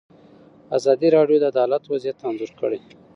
ازادي راډیو د عدالت وضعیت انځور کړی.